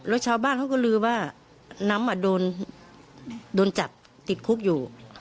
แล้วชาวบ้านเขาก็ลือว่าน้ำโดนจับติดคุกอยู่